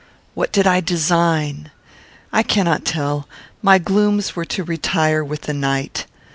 What did I design? I cannot tell; my glooms were to retire with the night.